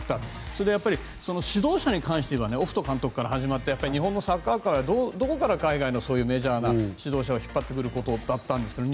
それで、指導者に関して言えばオフト監督から始まって日本のサッカー界はどこからそういうメジャーな監督を引っ張ってくることだったんですかね。